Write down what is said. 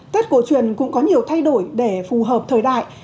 tết cổ truyền cũng có nhiều thay đổi để phù hợp thời đại